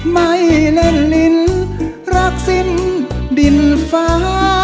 ไม่แน่นลิ้นรักสิ้นดินฟ้า